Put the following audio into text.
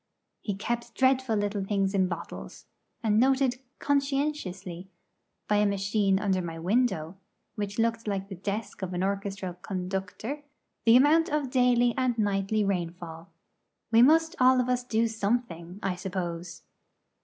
He kept dreadful little things in bottles, and noted conscientiously, by a machine under my window which looked like the desk of an orchestral conductor the amount of daily and nightly rainfall. We must all of us do something, I suppose.